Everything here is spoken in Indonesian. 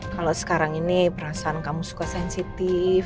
kalau sekarang ini perasaan kamu suka sensitif